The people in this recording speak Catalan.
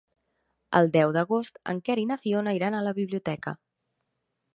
El deu d'agost en Quer i na Fiona iran a la biblioteca.